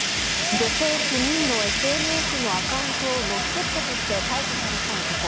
女性９人のＳＮＳのアカウントを乗っ取ったとして逮捕された男。